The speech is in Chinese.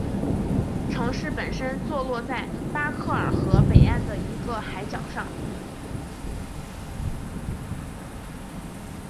城市本身坐落在巴克尔河北岸的一个海角上。